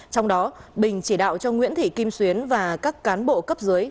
trong đó bình chỉ đạo cho nguyễn thị kim xuyến và các cán bộ cấp dưới